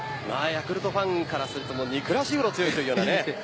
ヤクルトファンからすると憎らしいほど強いというような。